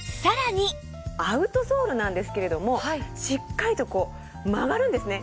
アウトソールなんですけれどもしっかりとこう曲がるんですね。